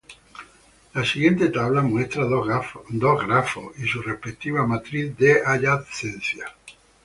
La siguiente tabla muestra dos grafos y su respectiva matriz de adyacencia.